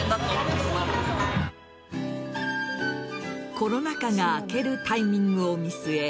コロナ禍が明けるタイミングを見据え